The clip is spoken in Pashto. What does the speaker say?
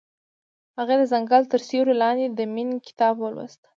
هغې د ځنګل تر سیوري لاندې د مینې کتاب ولوست.